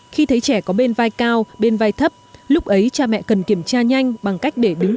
khi thấy trẻ có bên vai cao bên vai thấp lúc ấy cha mẹ cần kiểm tra nhanh bằng cách để đứng